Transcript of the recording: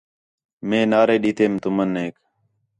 مئے نعرے ݙیتیم تُمنیک